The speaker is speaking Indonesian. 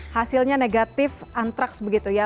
hasilnya negatif antraks begitu ya